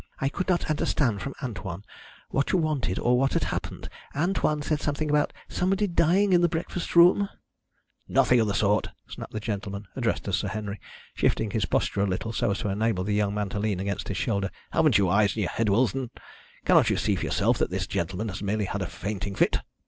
I could not understand from Antoine what you wanted or what had happened. Antoine said something about somebody dying in the breakfast room " "Nothing of the sort!" snapped the gentleman addressed as Sir Henry, shifting his posture a little so as to enable the young man to lean against his shoulder. "Haven't you eyes in your head, Willsden? Cannot you see for yourself that this gentleman has merely had a fainting fit?"